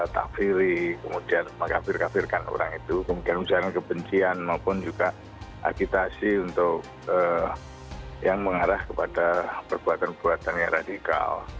takfiri kemudian mengkafir kafirkan orang itu kemudian ujaran kebencian maupun juga agitasi untuk yang mengarah kepada perbuatan perbuatan yang radikal